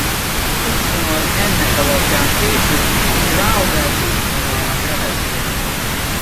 Az útvonalat ennek alapján később Brouwer-útvonalnak nevezték.